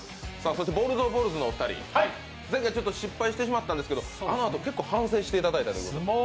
ボルトボルズのお二人前回失敗してしまったんですけどあのあと、結構反省していただいたという。